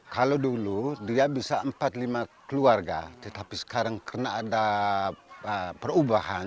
kalau dulu dia bisa empat lima keluarga tetapi sekarang karena ada perubahan